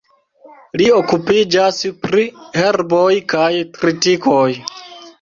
Li okupiĝas pri herboj kaj tritikoj.